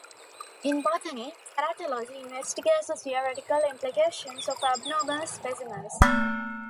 In botany, teratology investigates the theoretical implications of abnormal specimens.